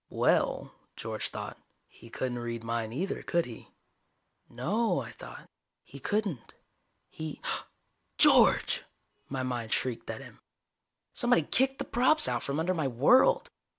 Well, George thought, he couldn't read mine either, could he? No, I thought. He couldn't. He ... George! my mind shrieked at him. Somebody kicked the props out from under my world.